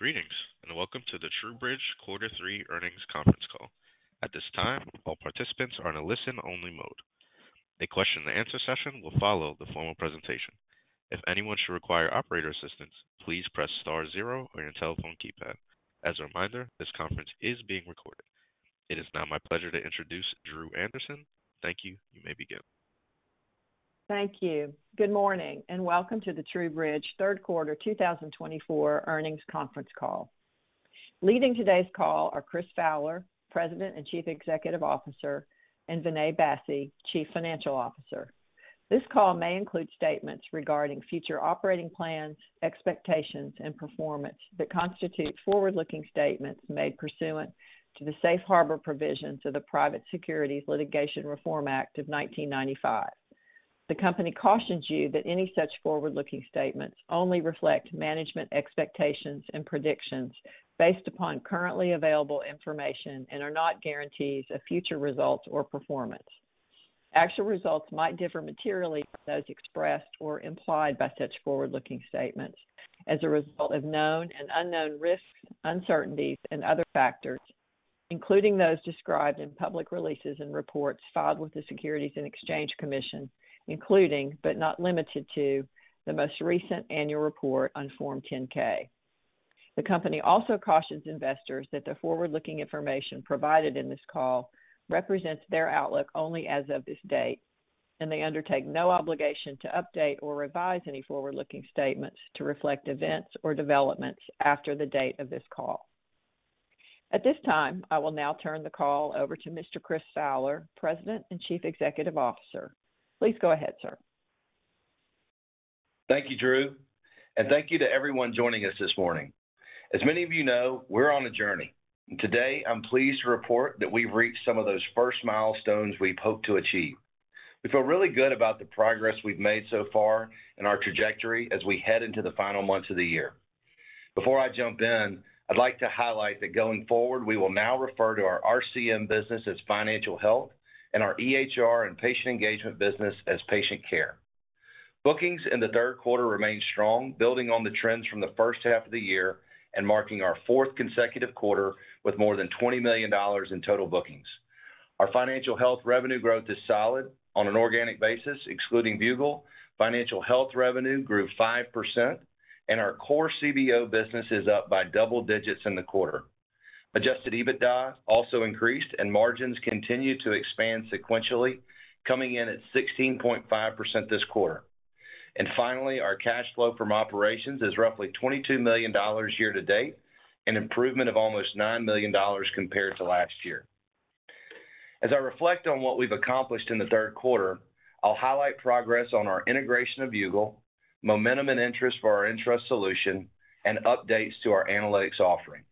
Greetings and welcome to the TruBridge quarter three earnings conference call. At this time, all participants are in a listen-only mode. A question-and-answer session will follow the formal presentation. If anyone should require operator assistance, please press star zero on your telephone keypad. As a reminder, this conference is being recorded. It is now my pleasure to introduce Dru Anderson. Thank you. You may begin. Thank you. Good morning and welcome to the TruBridge Quarter Three Earnings Conference Call. Leading today's call are Chris Fowler, President and Chief Executive Officer, and Vinay Bassi, Chief Financial Officer. This call may include statements regarding future operating plans, expectations, and performance that constitute forward-looking statements made pursuant to the Safe Harbor Provisions of the Private Securities Litigation Reform Act of 1995. The company cautions you that any such forward-looking statements only reflect management expectations and predictions based upon currently available information and are not guarantees of future results or performance. Actual results might differ materially from those expressed or implied by such forward-looking statements as a result of known and unknown risks, uncertainties, and other factors, including those described in public releases and reports filed with the Securities and Exchange Commission, including, but not limited to, the most recent annual report on Form 10-K. The company also cautions investors that the forward-looking information provided in this call represents their outlook only as of this date, and they undertake no obligation to update or revise any forward-looking statements to reflect events or developments after the date of this call. At this time, I will now turn the call over to Mr. Chris Fowler, President and Chief Executive Officer. Please go ahead, sir. Thank you, Dru, and thank you to everyone joining us this morning. As many of you know, we're on a journey. Today, I'm pleased to report that we've reached some of those first milestones we've hoped to achieve. We feel really good about the progress we've made so far in our trajectory as we head into the final months of the year. Before I jump in, I'd like to highlight that going forward, we will now refer to our RCM business as Financial Health and our EHR and patient engagement business as Patient Care. Bookings in the third quarter remain strong, building on the trends from the first half of the year and marking our fourth consecutive quarter with more than $20 million in total bookings. Our Financial Health revenue growth is solid on an organic basis, excluding Viewgol. Financial Health revenue grew 5%, and our core CBO business is up by double digits in the quarter. Adjusted EBITDA also increased, and margins continue to expand sequentially, coming in at 16.5% this quarter, and finally, our cash flow from operations is roughly $22 million year-to-date and an improvement of almost $9 million compared to last year. As I reflect on what we've accomplished in the third quarter, I'll highlight progress on our integration of Viewgol, momentum and interest for our nTrust solution, and updates to our analytics offering.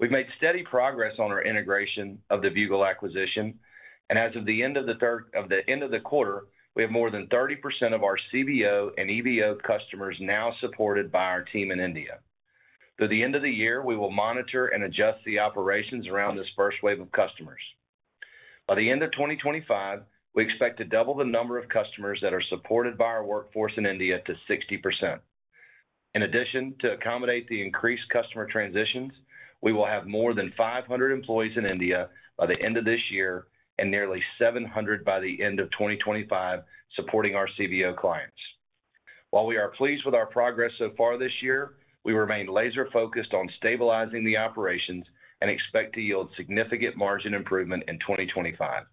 We've made steady progress on our integration of the Viewgol acquisition, and as of the end of the quarter, we have more than 30% of our CBO and EBO customers now supported by our team in India. Though at the end of the year, we will monitor and adjust the operations around this first wave of customers. By the end of 2025, we expect to double the number of customers that are supported by our workforce in India to 60%. In addition, to accommodate the increased customer transitions, we will have more than 500 employees in India by the end of this year and nearly 700 by the end of 2025 supporting our CBO clients. While we are pleased with our progress so far this year, we remain laser-focused on stabilizing the operations and expect to yield significant margin improvement in 2025.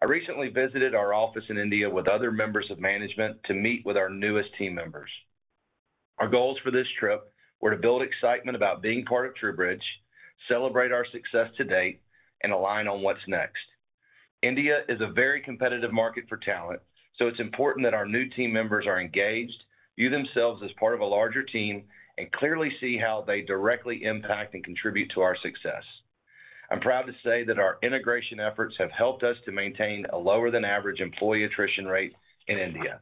I recently visited our office in India with other members of management to meet with our newest team members. Our goals for this trip were to build excitement about being part of TruBridge, celebrate our success to date, and align on what's next. India is a very competitive market for talent, so it's important that our new team members are engaged, view themselves as part of a larger team, and clearly see how they directly impact and contribute to our success. I'm proud to say that our integration efforts have helped us to maintain a lower-than-average employee attrition rate in India.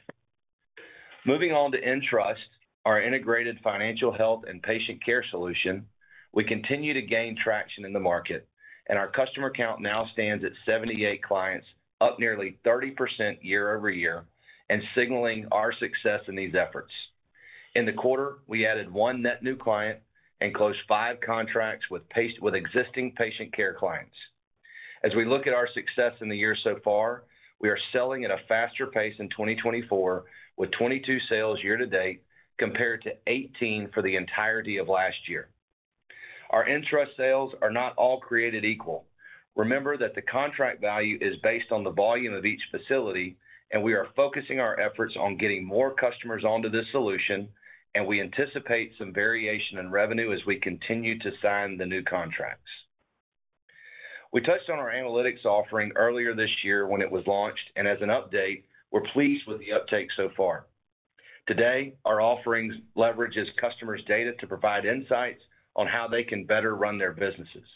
Moving on to nTrust, our integrated Financial Health and Patient Care solution, we continue to gain traction in the market, and our customer count now stands at 78 clients, up nearly 30% year-over-year, and signaling our success in these efforts. In the quarter, we added one net new client and closed five contracts with existing Patient Care clients. As we look at our success in the year so far, we are selling at a faster pace in 2024, with 22 sales year-to-date compared to 18 for the entirety of last year. Our nTrust sales are not all created equal. Remember that the contract value is based on the volume of each facility, and we are focusing our efforts on getting more customers onto this solution, and we anticipate some variation in revenue as we continue to sign the new contracts. We touched on our analytics offering earlier this year when it was launched, and as an update, we're pleased with the uptake so far. Today, our offerings leverage customers' data to provide insights on how they can better run their businesses.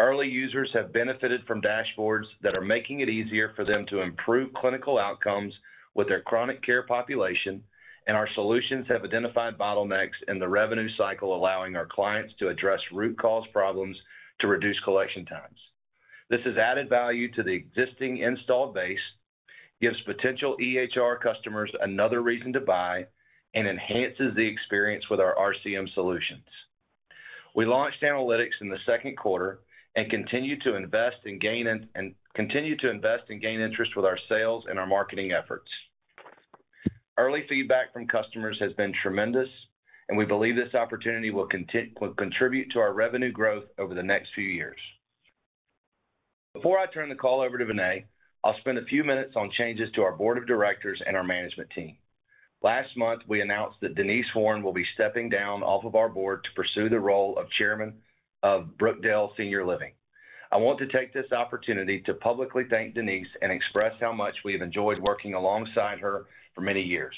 Early users have benefited from dashboards that are making it easier for them to improve clinical outcomes with their chronic care population, and our solutions have identified bottlenecks in the revenue cycle, allowing our clients to address root cause problems to reduce collection times. This has added value to the existing installed base, gives potential EHR customers another reason to buy, and enhances the experience with our RCM solutions. We launched analytics in the second quarter and continue to invest and gain interest with our sales and our marketing efforts. Early feedback from customers has been tremendous, and we believe this opportunity will contribute to our revenue growth over the next few years. Before I turn the call over to Vinay, I'll spend a few minutes on changes to our board of directors and our management team. Last month, we announced that Denise Horn will be stepping down off of our board to pursue the role of Chairman of Brookdale Senior Living. I want to take this opportunity to publicly thank Denise and express how much we have enjoyed working alongside her for many years.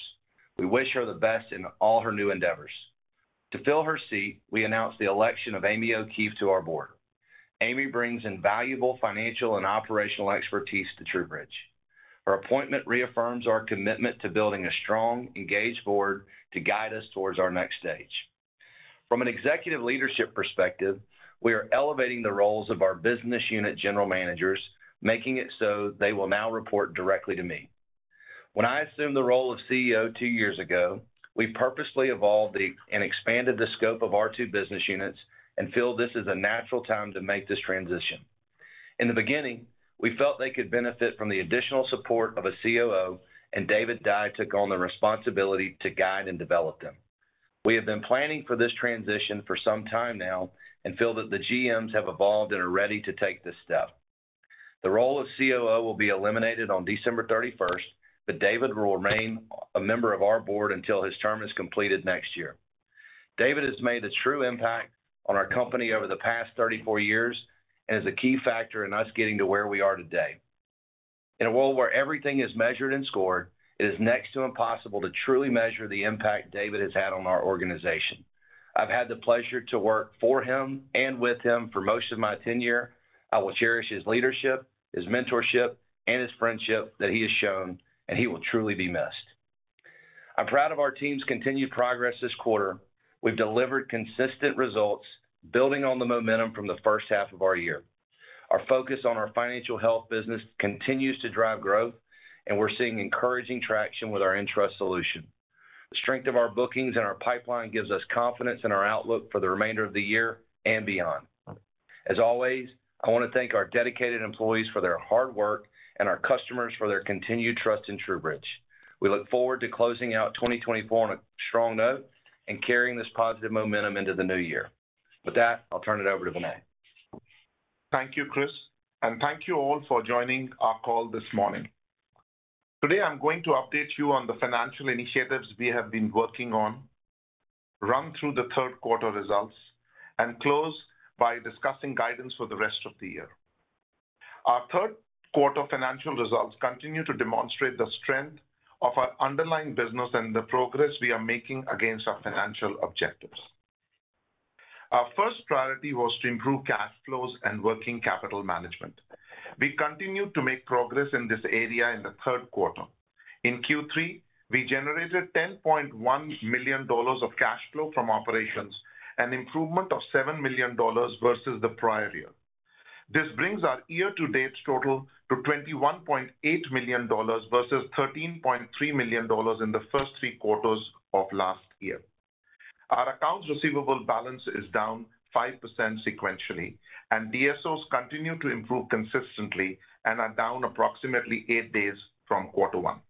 We wish her the best in all her new endeavors. To fill her seat, we announced the election of Amy O'Keefe to our board. Amy brings invaluable financial and operational expertise to TruBridge. Her appointment reaffirms our commitment to building a strong, engaged board to guide us towards our next stage. From an executive leadership perspective, we are elevating the roles of our business unit general managers, making it so they will now report directly to me. When I assumed the role of CEO two years ago, we purposely evolved and expanded the scope of our two business units and feel this is a natural time to make this transition. In the beginning, we felt they could benefit from the additional support of a COO, and David Dye took on the responsibility to guide and develop them. We have been planning for this transition for some time now and feel that the GMs have evolved and are ready to take this step. The role of COO will be eliminated on December 31st, but David will remain a member of our board until his term is completed next year. David has made a true impact on our company over the past 34 years and is a key factor in us getting to where we are today. In a world where everything is measured and scored, it is next to impossible to truly measure the impact David has had on our organization. I've had the pleasure to work for him and with him for most of my tenure. I will cherish his leadership, his mentorship, and his friendship that he has shown, and he will truly be missed. I'm proud of our team's continued progress this quarter. We've delivered consistent results, building on the momentum from the first half of our year. Our focus on our financial health business continues to drive growth, and we're seeing encouraging traction with our nTrust solution. The strength of our bookings and our pipeline gives us confidence in our outlook for the remainder of the year and beyond. As always, I want to thank our dedicated employees for their hard work and our customers for their continued trust in TruBridge. We look forward to closing out 2024 on a strong note and carrying this positive momentum into the new year. With that, I'll turn it over to Vinay. Thank you, Chris, and thank you all for joining our call this morning. Today, I'm going to update you on the financial initiatives we have been working on, run through the third quarter results, and close by discussing guidance for the rest of the year. Our third quarter financial results continue to demonstrate the strength of our underlying business and the progress we are making against our financial objectives. Our first priority was to improve cash flows and working capital management. We continued to make progress in this area in the third quarter. In Q3, we generated $10.1 million of cash flow from operations and an improvement of $7 million versus the prior year. This brings our year-to-date total to $21.8 million versus $13.3 million in the first three quarters of last year. Our accounts receivable balance is down 5% sequentially, and DSOs continue to improve consistently and are down approximately eight days from quarter one.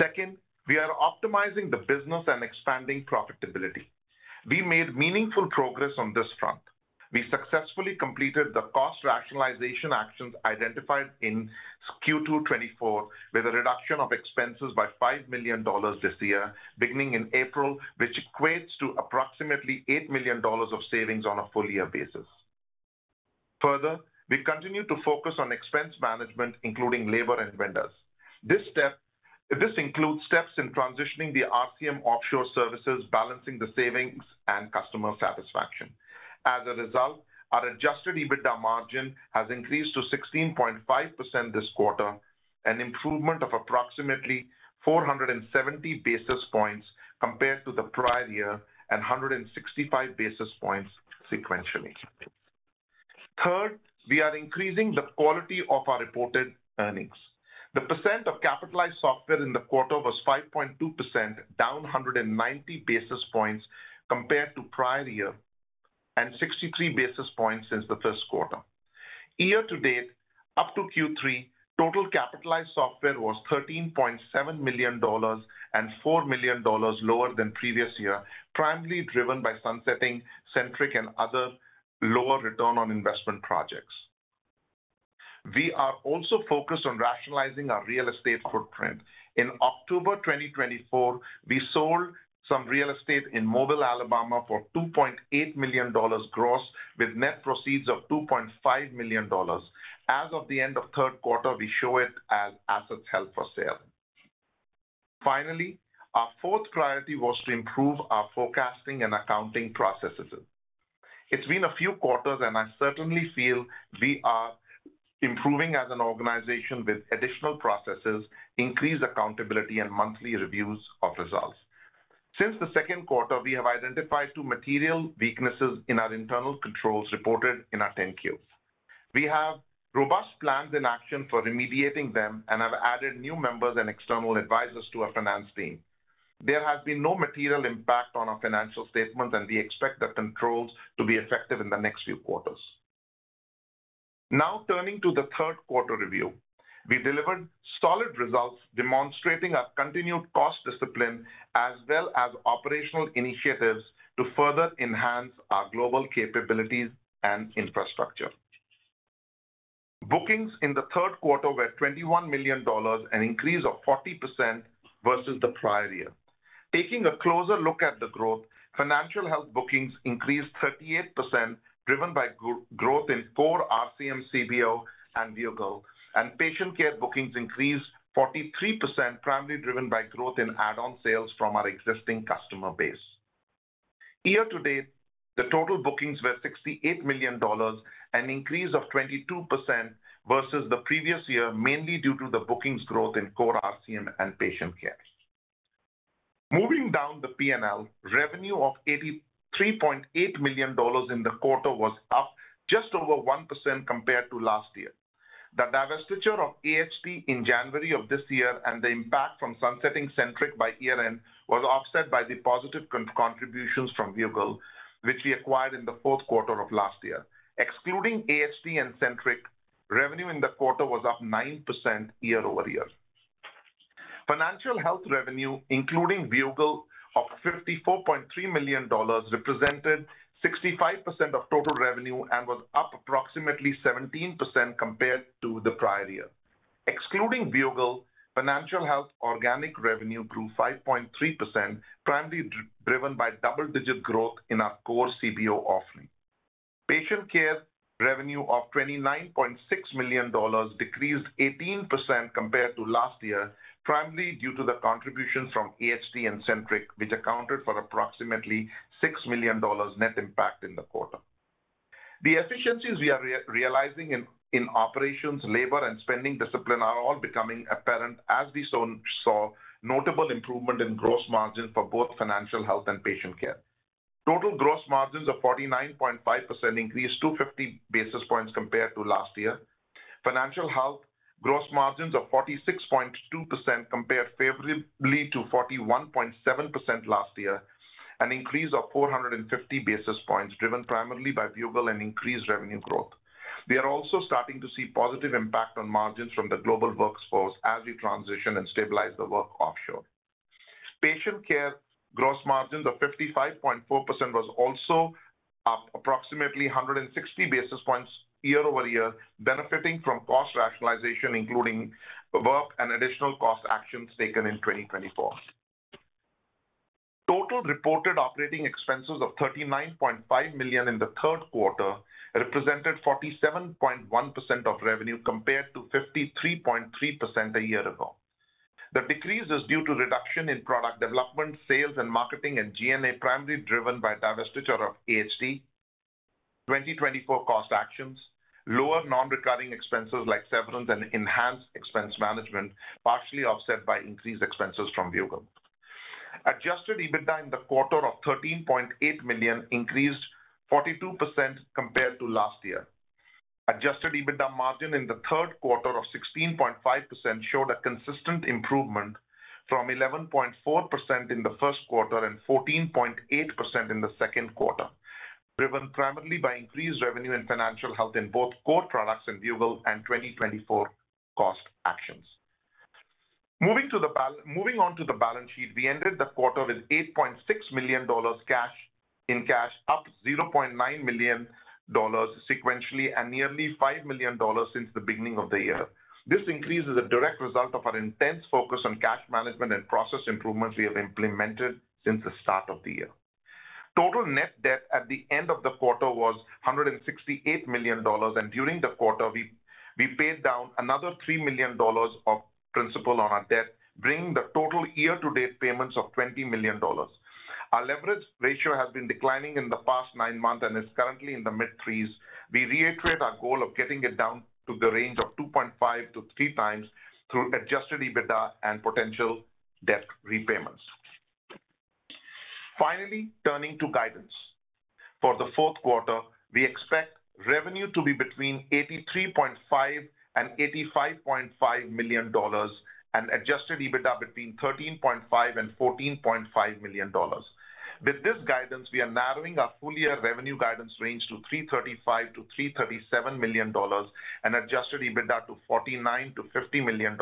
Second, we are optimizing the business and expanding profitability. We made meaningful progress on this front. We successfully completed the cost rationalization actions identified in Q2 2024, with a reduction of expenses by $5 million this year, beginning in April, which equates to approximately $8 million of savings on a full-year basis. Further, we continue to focus on expense management, including labor and vendors. This includes steps in transitioning the RCM offshore services, balancing the savings and customer satisfaction. As a result, our adjusted EBITDA margin has increased to 16.5% this quarter, an improvement of approximately 470 basis points compared to the prior year and 165 basis points sequentially. Third, we are increasing the quality of our reported earnings. The percentage of Capitalized Software in the quarter was 5.2%, down 190 basis points compared to the prior year and 63 basis points since the first quarter. year-to-date, up to Q3, total Capitalized Software was $13.7 million and $4 million lower than the previous year, primarily driven by sunsetting Centriq and other lower return on investment projects. We are also focused on rationalizing our real estate footprint. In October 2024, we sold some real estate in Mobile, Alabama, for $2.8 million gross, with net proceeds of $2.5 million. As of the end of the third quarter, we show it as assets held for sale. Finally, our fourth priority was to improve our forecasting and accounting processes. It's been a few quarters, and I certainly feel we are improving as an organization with additional processes, increased accountability, and monthly reviews of results. Since the second quarter, we have identified two material weaknesses in our internal controls reported in our 10-Qs. We have robust plans in action for remediating them and have added new members and external advisors to our finance team. There has been no material impact on our financial statements, and we expect the controls to be effective in the next few quarters. Now, turning to the third quarter review, we delivered solid results demonstrating our continued cost discipline as well as operational initiatives to further enhance our global capabilities and infrastructure. Bookings in the third quarter were $21 million, an increase of 40% versus the prior year. Taking a closer look at the growth, Financial Health bookings increased 38%, driven by growth in core RCM, CBO, and Viewgol, and Patient Care bookings increased 43%, primarily driven by growth in add-on sales from our existing customer base. Year-to-date, the total bookings were $68 million, an increase of 22% versus the previous year, mainly due to the bookings growth in core RCM and Patient Care. Moving down the P&L, revenue of $83.8 million in the quarter was up just over 1% compared to last year. The divestiture of AHT in January of this year and the impact from sunsetting Centriq by year-end was offset by the positive contributions from Viewgol, which we acquired in the fourth quarter of last year. Excluding AHT and Centriq, revenue in the quarter was up 9% year-over-year. Financial Health revenue, including Viewgol, of $54.3 million represented 65% of total revenue and was up approximately 17% compared to the prior year. Excluding Viewgol, Financial Health organic revenue grew 5.3%, primarily driven by double-digit growth in our core CBO offering. Patient Care revenue of $29.6 million decreased 18% compared to last year, primarily due to the contributions from AHT and Centriq, which accounted for approximately $6 million net impact in the quarter. The efficiencies we are realizing in operations, labor, and spending discipline are all becoming apparent as we saw notable improvement in gross margin for both Financial Health and Patient Care. Total gross margins of 49.5% increased 250 basis points compared to last year. Financial Health gross margins of 46.2% compared favorably to 41.7% last year, an increase of 450 basis points driven primarily by Viewgol and increased revenue growth. We are also starting to see positive impact on margins from the global workforce as we transition and stabilize the work offshore. Patient care gross margins of 55.4% was also up approximately 160 basis points year-over-year, benefiting from cost rationalization, including WOP and additional cost actions taken in 2024. Total reported operating expenses of $39.5 million in the third quarter represented 47.1% of revenue compared to 53.3% a year ago. The decrease is due to reduction in product development, sales, and marketing, and G&A primarily driven by divestiture of AHT. 2024 cost actions, lower non-recurring expenses like severance and enhanced expense management, partially offset by increased expenses from Viewgol. Adjusted EBITDA in the quarter of $13.8 million increased 42% compared to last year. Adjusted EBITDA margin in the third quarter of 16.5% showed a consistent improvement from 11.4% in the first quarter and 14.8% in the second quarter, driven primarily by increased revenue and financial health in both core products and Viewgol and 2024 cost actions. Moving on to the balance sheet, we ended the quarter with $8.6 million in cash, up $0.9 million sequentially, and nearly $5 million since the beginning of the year. This increase is a direct result of our intense focus on cash management and process improvements we have implemented since the start of the year. Total net debt at the end of the quarter was $168 million, and during the quarter, we paid down another $3 million of principal on our debt, bringing the total year-to-date payments of $20 million. Our leverage ratio has been declining in the past nine months and is currently in the mid-threes. We reiterate our goal of getting it down to the range of 2.5x-3x through Adjusted EBITDA and potential debt repayments. Finally, turning to guidance. For the fourth quarter, we expect revenue to be between $83.5 million-$85.5 million and adjusted EBITDA between $13.5 million-$14.5 million. With this guidance, we are narrowing our full-year revenue guidance range to $335 million-$337 million and adjusted EBITDA to $49 million-$50 million,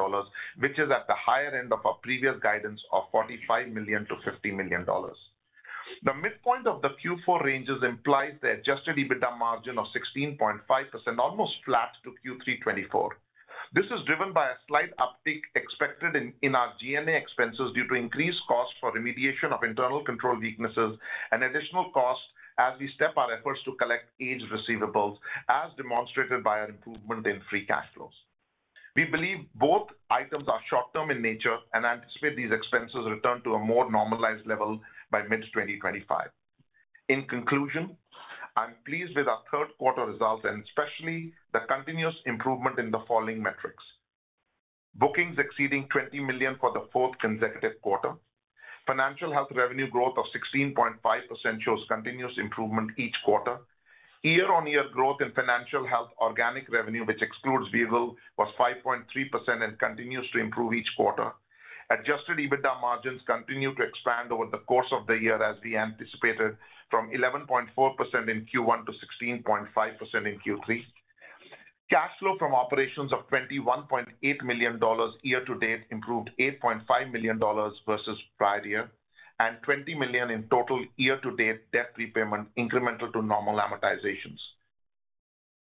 which is at the higher end of our previous guidance of $45 million-$50 million. The midpoint of the Q4 ranges implies the adjusted EBITDA margin of 16.5%, almost flat to Q3 2024. This is driven by a slight uptick expected in our G&A expenses due to increased costs for remediation of internal control weaknesses and additional costs as we step up our efforts to collect aged receivables, as demonstrated by our improvement in free cash flows. We believe both items are short-term in nature and anticipate these expenses returning to a more normalized level by mid-2025. In conclusion, I'm pleased with our third quarter results and especially the continuous improvement in the following metrics: bookings exceeding $20 million for the fourth consecutive quarter, Financial Health revenue growth of 16.5% shows continuous improvement each quarter, year-on-year growth in Financial Health organic revenue, which excludes Viewgol, was 5.3% and continues to improve each quarter, Adjusted EBITDA margins continue to expand over the course of the year as we anticipated from 11.4% in Q1 to 16.5% in Q3, cash flow from operations of $21.8 million year-to-date improved $8.5 million versus prior year, and $20 million in total year-to-date debt repayment incremental to normal amortizations.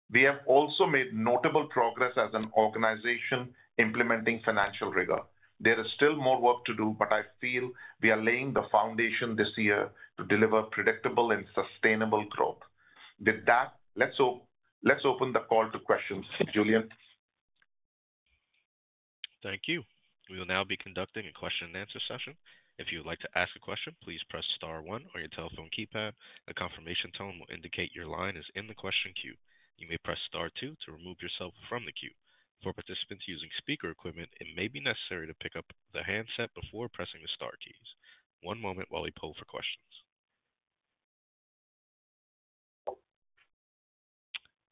We have also made notable progress as an organization implementing financial rigor. There is still more work to do, but I feel we are laying the foundation this year to deliver predictable and sustainable growth. With that, let's open the call to questions, Julian. Thank you. We will now be conducting a question-and-answer session. If you would like to ask a question, please press star one on your telephone keypad. The confirmation tone will indicate your line is in the question queue. You may press star two to remove yourself from the queue. For participants using speaker equipment, it may be necessary to pick up the handset before pressing the star keys. One moment while we poll for questions.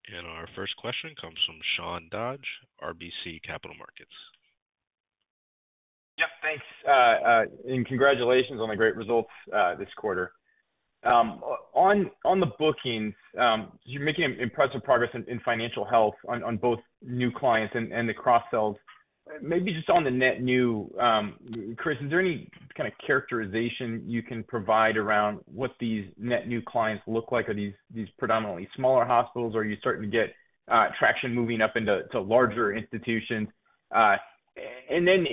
And our first question comes from Sean Dodge, RBC Capital Markets. Yep, thanks. And congratulations on the great results this quarter. On the bookings, you're making impressive progress in financial health on both new clients and the cross-sells. Maybe just on the net new, Chris, is there any kind of characterization you can provide around what these net new clients look like? Are these predominantly smaller hospitals, or are you starting to get traction moving up into larger institutions? And then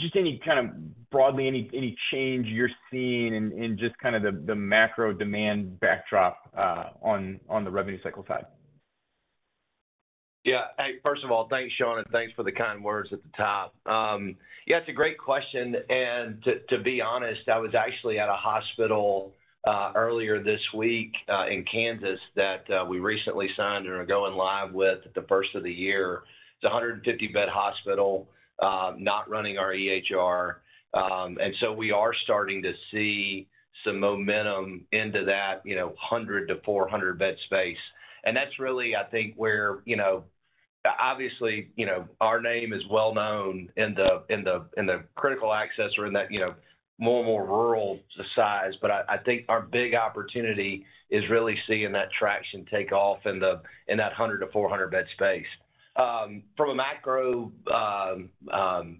just any kind of broadly, any change you're seeing in just kind of the macro demand backdrop on the revenue cycle side? Yeah. First of all, thanks, Sean, and thanks for the kind words at the top. Yeah, it's a great question, and to be honest, I was actually at a hospital earlier this week in Kansas that we recently signed and are going live with at the first of the year. It's a 150-bed hospital, not running our EHR. And so we are starting to see some momentum into that 100-400-bed space. And that's really, I think, where obviously our name is well-known in the critical access or in that more and more rural size. But I think our big opportunity is really seeing that traction take off in that 100-400-bed space. From a macro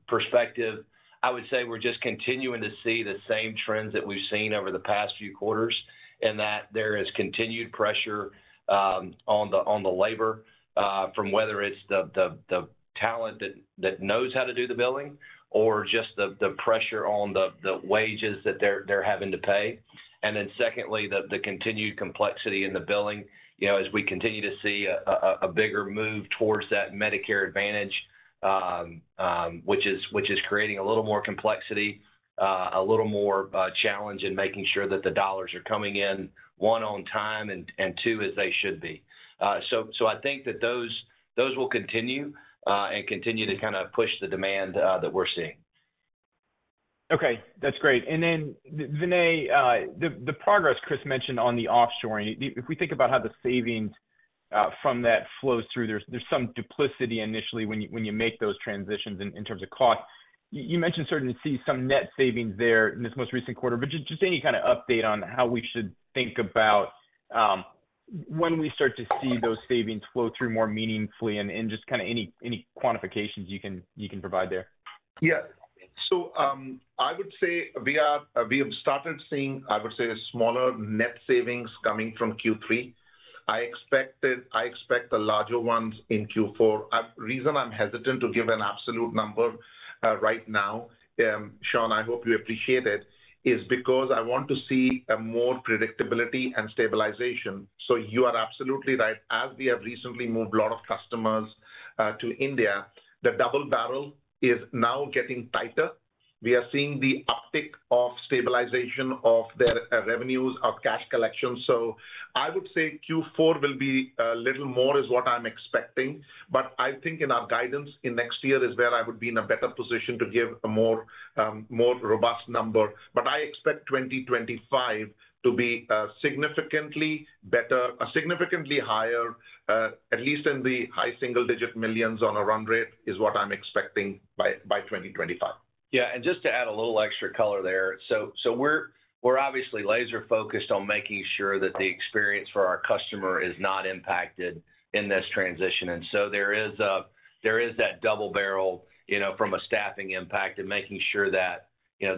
perspective, I would say we're just continuing to see the same trends that we've seen over the past few quarters in that there is continued pressure on the labor, from whether it's the talent that knows how to do the billing or just the pressure on the wages that they're having to pay. And then secondly, the continued complexity in the billing as we continue to see a bigger move towards that Medicare Advantage, which is creating a little more complexity, a little more challenge in making sure that the dollars are coming in, one, on time, and two, as they should be. So I think that those will continue and continue to kind of push the demand that we're seeing. Okay. That's great. And then, Vinay, the progress Chris mentioned on the offshoring, if we think about how the savings from that flows through, there's some duplication initially when you make those transitions in terms of cost. You mentioned starting to see some net savings there in this most recent quarter. But just any kind of update on how we should think about when we start to see those savings flow through more meaningfully and just kind of any quantifications you can provide there? Yeah. So I would say we have started seeing, I would say, smaller net savings coming from Q3. I expect the larger ones in Q4. The reason I'm hesitant to give an absolute number right now, Sean, I hope you appreciate it, is because I want to see more predictability and stabilization. So you are absolutely right. As we have recently moved a lot of customers to India, the double bubble is now getting tighter. We are seeing the uptick of stabilization of their revenues, of cash collection. So I would say Q4 will be a little more is what I'm expecting. But I think in our guidance in next year is where I would be in a better position to give a more robust number. But I expect 2025 to be significantly better, significantly higher, at least in the high single-digit millions on a run rate is what I'm expecting by 2025. Yeah. And just to add a little extra color there, so we're obviously laser-focused on making sure that the experience for our customer is not impacted in this transition. And so there is that double bubble from a staffing impact and making sure that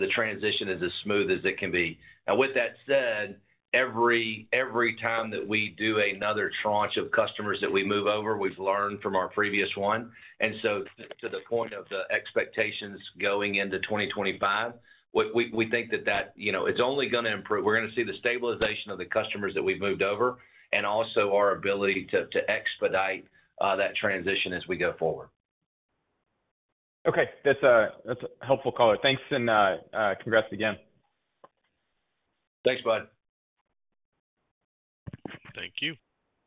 the transition is as smooth as it can be. And with that said, every time that we do another tranche of customers that we move over, we've learned from our previous one. And so to the point of the expectations going into 2025, we think that it's only going to improve. We're going to see the stabilization of the customers that we've moved over and also our ability to expedite that transition as we go forward. Okay. That's a helpful caller. Thanks and congrats again. Thanks, bud. Thank you.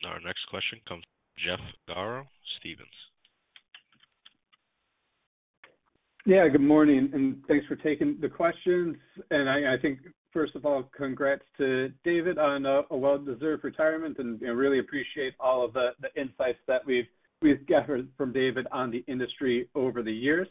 Our next question comes from Jeff Garro, Stephens. Yeah. Good morning, and thanks for taking the questions. I think, first of all, congrats to David on a well-deserved retirement and really appreciate all of the insights that we've gathered from David on the industry over the years,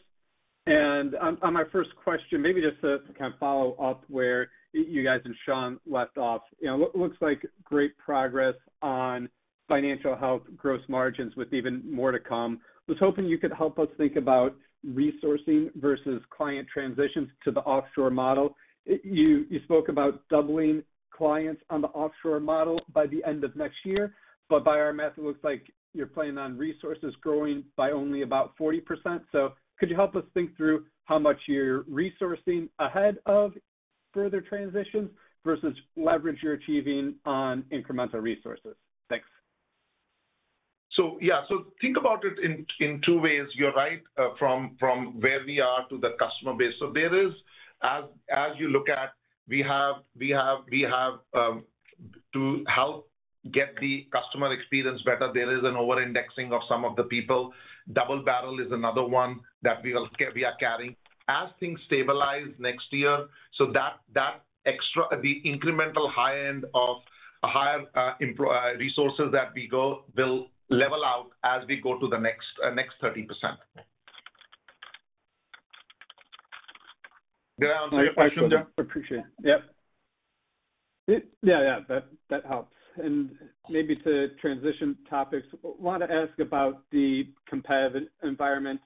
and on my first question, maybe just to kind of follow up where you guys and Sean left off, it looks like great progress on financial health, gross margins with even more to come. I was hoping you could help us think about resourcing versus client transitions to the offshore model. You spoke about doubling clients on the offshore model by the end of next year. But by our method, it looks like you're planning on resources growing by only about 40%. So could you help us think through how much you're resourcing ahead of further transitions versus leverage you're achieving on incremental resources? Thanks. So yeah. So think about it in two ways. You're right from where we are to the customer base. So there is, as you look at, we have to help get the customer experience better. There is an over-indexing of some of the people. Double Barrel is another one that we are carrying. As things stabilize next year, so that the incremental high-end of higher resources that we go will level out as we go to the next 30%. Did I answer your question, John? I appreciate it. Yep. Yeah, yeah. That helps. And maybe to transition topics, I want to ask about the competitive environment.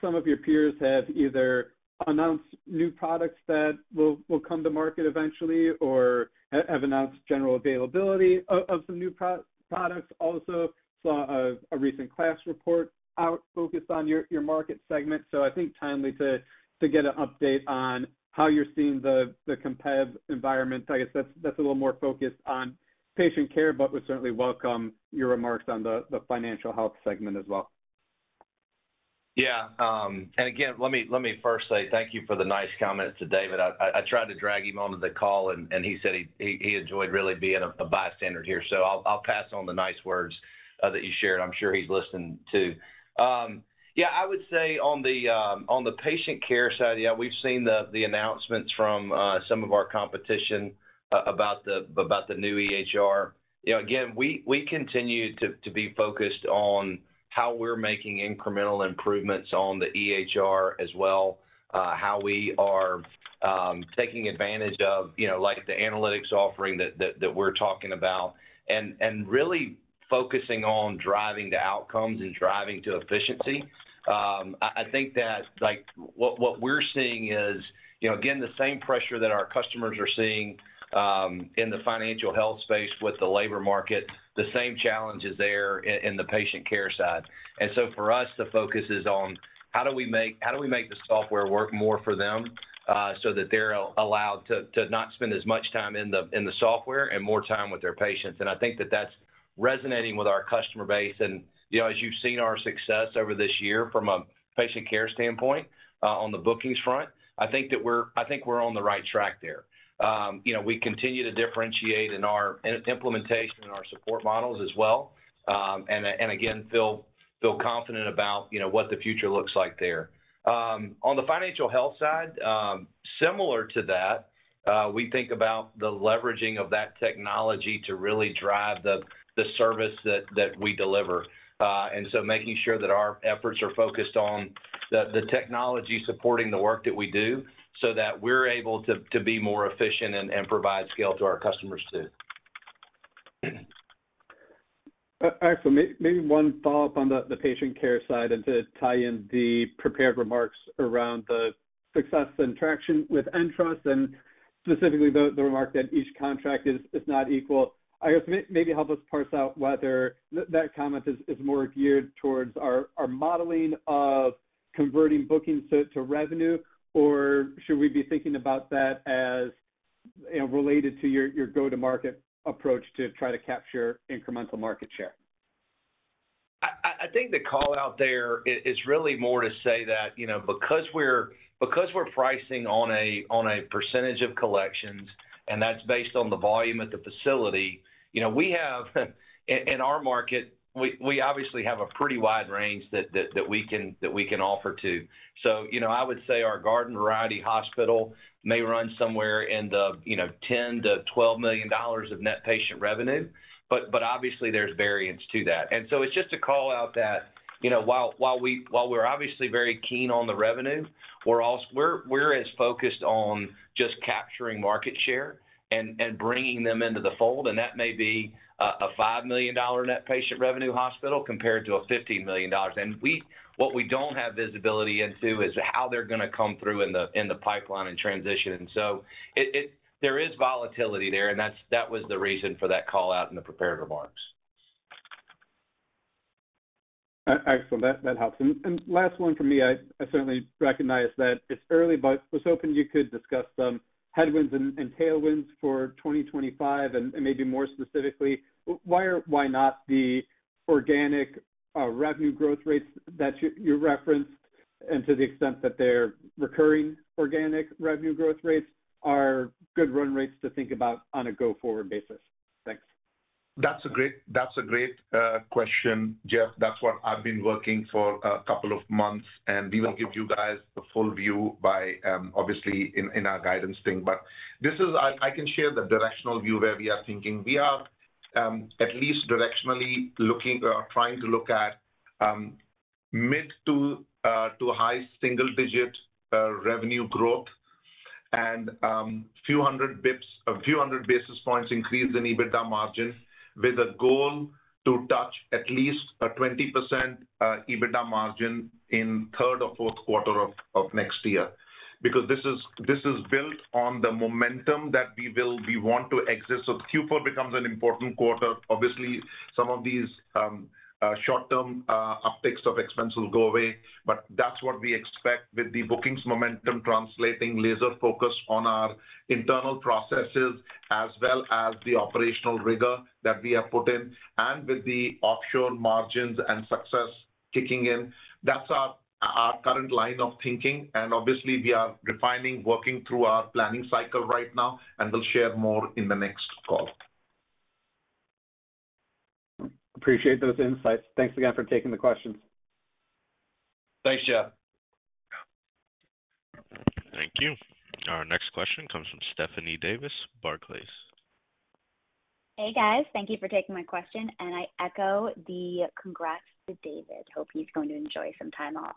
Some of your peers have either announced new products that will come to market eventually or have announced general availability of some new products. Also, saw a recent KLAS report out focused on your market segment. So I think timely to get an update on how you're seeing the competitive environment. I guess that's a little more focused on patient care, but would certainly welcome your remarks on the financial health segment as well. Yeah. And again, let me first say thank you for the nice comments to David. I tried to drag him onto the call, and he said he enjoyed really being a bystander here. So I'll pass on the nice words that you shared. I'm sure he's listening too. Yeah. I would say on the patient care side, yeah, we've seen the announcements from some of our competition about the new EHR. Again, we continue to be focused on how we're making incremental improvements on the EHR as well, how we are taking advantage of the analytics offering that we're talking about, and really focusing on driving to outcomes and driving to efficiency. I think that what we're seeing is, again, the same pressure that our customers are seeing in the financial health space with the labor market, the same challenge is there in the patient care side. And so for us, the focus is on how do we make the software work more for them so that they're allowed to not spend as much time in the software and more time with their patients. And I think that that's resonating with our customer base. And as you've seen our success over this year from a Patient Care standpoint on the Bookings front, I think we're on the right track there. We continue to differentiate in our implementation and our support models as well and, again, feel confident about what the future looks like there. On the Financial Health side, similar to that, we think about the leveraging of that technology to really drive the service that we deliver. And so, making sure that our efforts are focused on the technology supporting the work that we do so that we're able to be more efficient and provide scale to our customers too. Actually, maybe one follow-up on the patient care side. To tie in the prepared remarks around the success and traction with nTrust and specifically the remark that each contract is not equal. I guess maybe help us parse out whether that comment is more geared towards our modeling of converting bookings to revenue, or should we be thinking about that as related to your go-to-market approach to try to capture incremental market share? I think the callout there is really more to say that because we're pricing on a percentage of collections, and that's based on the volume at the facility, we have in our market, we obviously have a pretty wide range that we can offer to. So I would say our Garden Variety Hospital may run somewhere in the $10 million-$12 million of net patient revenue. But obviously, there's variance to that. And so it's just a callout that while we're obviously very keen on the revenue, we're as focused on just capturing market share and bringing them into the fold. And that may be a $5 million net patient revenue hospital compared to a $15 million. And what we don't have visibility into is how they're going to come through in the pipeline and transition. And so there is volatility there. That was the reason for that callout in the prepared remarks. Excellent. That helps, and last one for me, I certainly recognize that it's early, but was hoping you could discuss some headwinds and tailwinds for 2025 and maybe more specifically, why not the organic revenue growth rates that you referenced and to the extent that they're recurring organic revenue growth rates are good run rates to think about on a go-forward basis? Thanks. That's a great question, Jeff. That's what I've been working for a couple of months. And we will give you guys the full view by obviously in our guidance thing. But I can share the directional view where we are thinking. We are at least directionally looking or trying to look at mid- to high-single-digit revenue growth and a few 100 basis points increase in EBITDA margin with a goal to touch at least a 20% EBITDA margin in third or fourth quarter of next year because this is built on the momentum that we want to exit. So Q4 becomes an important quarter. Obviously, some of these short-term upticks of expenses will go away. But that's what we expect with the bookings momentum translating laser focus on our internal processes as well as the operational rigor that we have put in and with the offshore margins and success kicking in. That's our current line of thinking. And obviously, we are refining, working through our planning cycle right now, and we'll share more in the next call. Appreciate those insights. Thanks again for taking the questions. Thanks, Jeff. Thank you. Our next question comes from Stephanie Davis, Barclays. Hey, guys. Thank you for taking my question. And I echo the congrats to David. Hope he's going to enjoy some time off.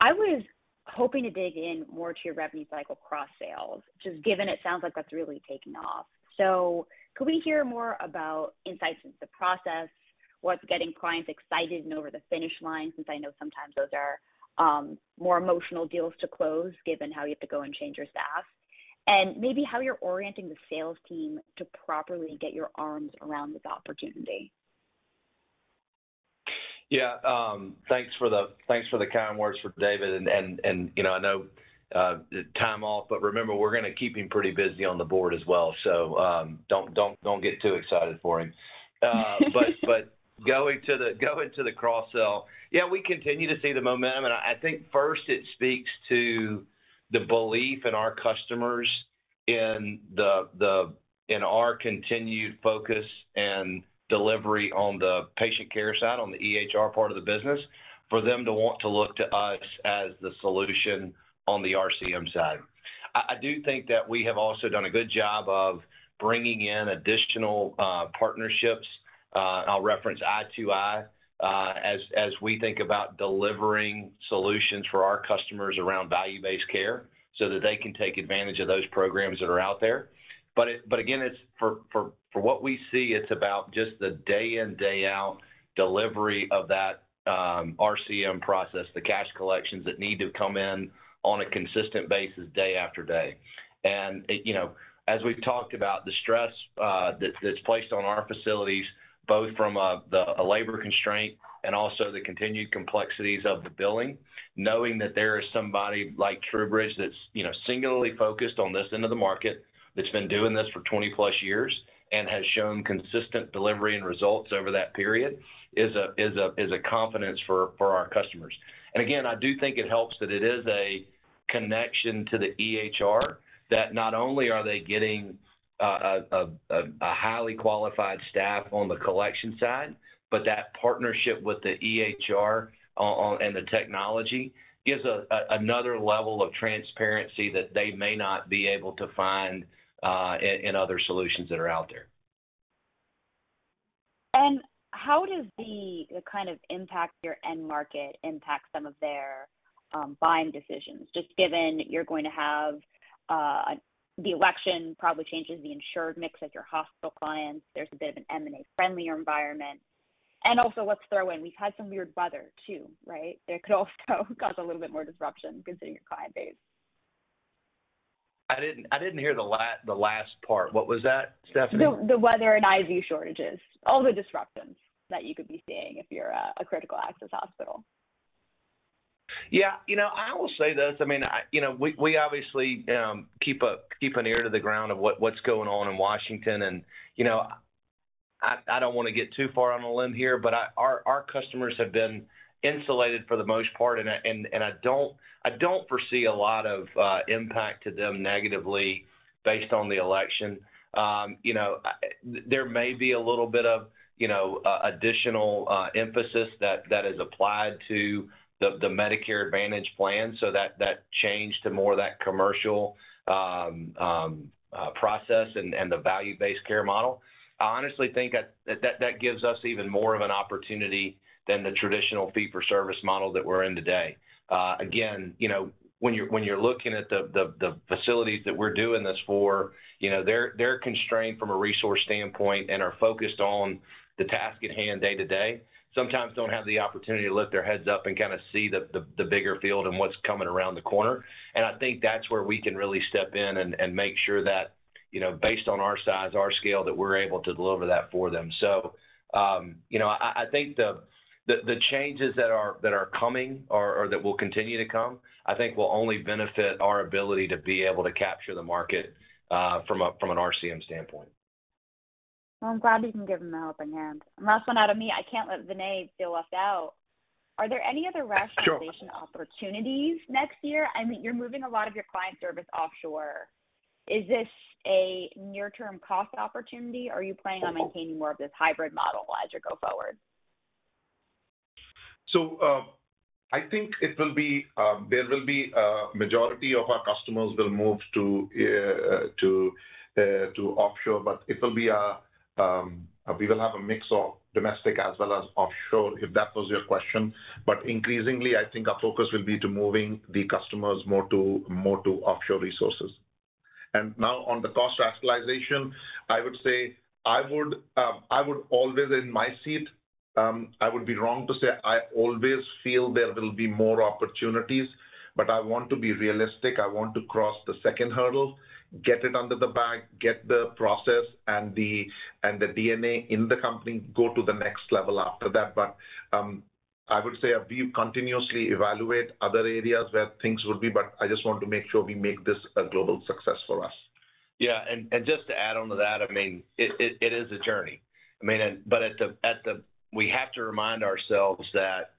I was hoping to dig in more to your revenue cycle cross-sales, just given it sounds like that's really taking off. So could we hear more about insights into the process, what's getting clients excited and over the finish line since I know sometimes those are more emotional deals to close given how you have to go and change your staff, and maybe how you're orienting the sales team to properly get your arms around this opportunity? Yeah. Thanks for the kind words for David. And I know time off, but remember, we're going to keep him pretty busy on the board as well. So don't get too excited for him. But going to the cross-sale, yeah, we continue to see the momentum. And I think first it speaks to the belief in our customers in our continued focus and delivery on the patient care side, on the EHR part of the business, for them to want to look to us as the solution on the RCM side. I do think that we have also done a good job of bringing in additional partnerships. I'll reference i2i as we think about delivering solutions for our customers around value-based care so that they can take advantage of those programs that are out there. But again, for what we see, it's about just the day-in and day-out delivery of that RCM process, the cash collections that need to come in on a consistent basis day after day, and as we've talked about, the stress that's placed on our facilities, both from a labor constraint and also the continued complexities of the billing, knowing that there is somebody like TruBridge that's singularly focused on this end of the market that's been doing this for 20+ years and has shown consistent delivery and results over that period is a confidence for our customers. Again, I do think it helps that it is a connection to the EHR that not only are they getting a highly qualified staff on the collection side, but that partnership with the EHR and the technology gives another level of transparency that they may not be able to find in other solutions that are out there. And how does the kind of impact your end market impact some of their buying decisions? Just given you're going to have the election probably changes the insured mix of your hospital clients. There's a bit of an M&A-friendlier environment. And also, let's throw in we've had some weird weather too, right? That could also cause a little bit more disruption considering your client base. I didn't hear the last part. What was that, Stephanie? The weather and IV shortages, all the disruptions that you could be seeing if you're a critical access hospital. Yeah. I will say this. I mean, we obviously keep an ear to the ground of what's going on in Washington. And I don't want to get too far on a limb here, but our customers have been insulated for the most part. And I don't foresee a lot of impact to them negatively based on the election. There may be a little bit of additional emphasis that is applied to the Medicare Advantage plan, so that that change to more of that commercial process and the value-based care model. I honestly think that that gives us even more of an opportunity than the traditional fee-for-service model that we're in today. Again, when you're looking at the facilities that we're doing this for, they're constrained from a resource standpoint and are focused on the task at hand day-to-day, sometimes don't have the opportunity to lift their heads up and kind of see the bigger field and what's coming around the corner. And I think that's where we can really step in and make sure that based on our size, our scale, that we're able to deliver that for them. So I think the changes that are coming or that will continue to come, I think will only benefit our ability to be able to capture the market from an RCM standpoint. I'm glad we can give them the helping hand. Last one out of me. I can't let Vinay feel left out. Are there any other rationalization opportunities next year? I mean, you're moving a lot of your client service offshore. Is this a near-term cost opportunity? Are you planning on maintaining more of this hybrid model as you go forward? I think it will be. There will be a majority of our customers will move to offshore, but it will be. We will have a mix of domestic as well as offshore if that was your question. But increasingly, I think our focus will be to moving the customers more to offshore resources. And now on the cost rationalization, I would say. I would always, in my seat, be wrong to say I always feel there will be more opportunities, but I want to be realistic. I want to cross the second hurdle, get it under the bag, get the process and the DNA in the company, go to the next level after that. But I would say we continuously evaluate other areas where things would be, but I just want to make sure we make this a global success for us. Yeah. And just to add on to that, I mean, it is a journey. I mean, but we have to remind ourselves that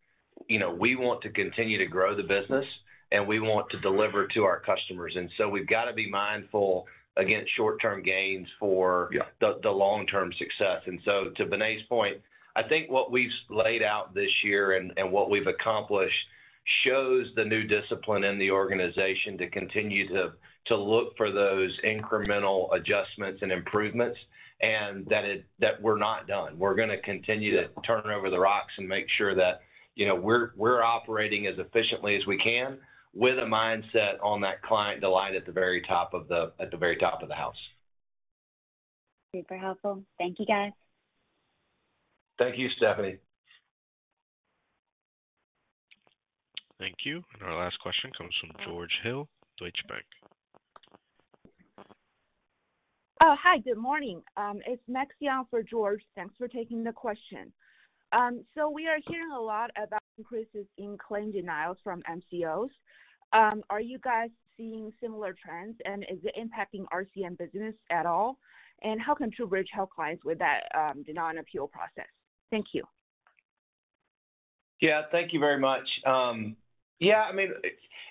we want to continue to grow the business and we want to deliver to our customers. And so we've got to be mindful against short-term gains for the long-term success. And so to Vinay's point, I think what we've laid out this year and what we've accomplished shows the new discipline in the organization to continue to look for those incremental adjustments and improvements and that we're not done. We're going to continue to turn over the rocks and make sure that we're operating as efficiently as we can with a mindset on that client delight at the very top of the house. Super helpful. Thank you, guys. Thank you, Stephanie. Thank you. And our last question comes from George Hill, Deutsche Bank. Oh, hi. Good morning. It's Maxim for George. Thanks for taking the question. So we are hearing a lot about increases in claim denials from MCOs. Are you guys seeing similar trends? And is it impacting RCM business at all? And how can TruBridge help clients with that denial and appeal process? Thank you. Yeah. Thank you very much. Yeah. I mean,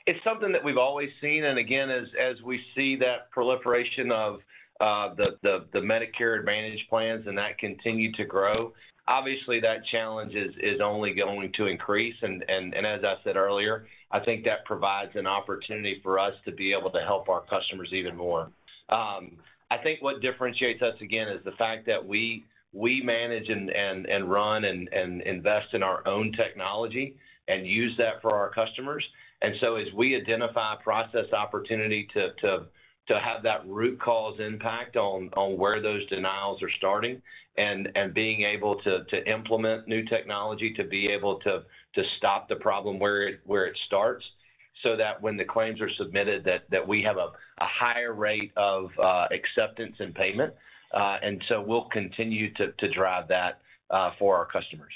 it's something that we've always seen. And again, as we see that proliferation of the Medicare Advantage plans and that continue to grow, obviously, that challenge is only going to increase. And as I said earlier, I think that provides an opportunity for us to be able to help our customers even more. I think what differentiates us again is the fact that we manage and run and invest in our own technology and use that for our customers. And so as we identify a process opportunity to have that root cause impact on where those denials are starting and being able to implement new technology to be able to stop the problem where it starts so that when the claims are submitted, that we have a higher rate of acceptance and payment. And so we'll continue to drive that for our customers.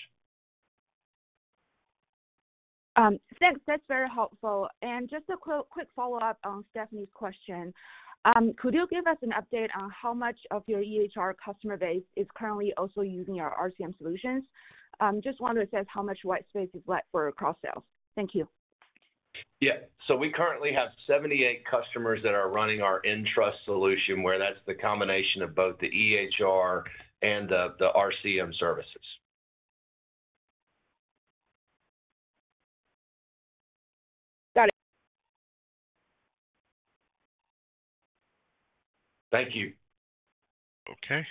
Thanks. That's very helpful. And just a quick follow-up on Stephanie's question. Could you give us an update on how much of your EHR customer base is currently also using your RCM solutions? Just wanted to assess how much white space is left for cross-sales. Thank you. Yeah, so we currently have 78 customers that are running our nTrust solution, where that's the combination of both the EHR and the RCM services. Got it. Thank you. Okay.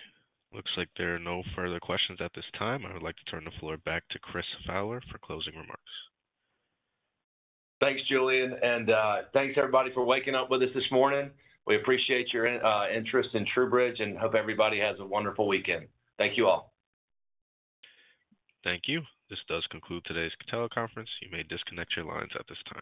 Looks like there are no further questions at this time. I would like to turn the floor back to Chris Fowler for closing remarks. Thanks, Julian. And thanks, everybody, for waking up with us this morning. We appreciate your interest in TruBridge and hope everybody has a wonderful weekend. Thank you all. Thank you. This does conclude today's teleconference. You may disconnect your lines at this time.